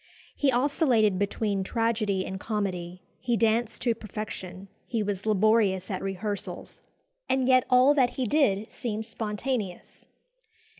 He oscillated between tragedy and comedy; he danced to perfection; he was laborious at rehearsals, and yet all that he did seemed spontaneous.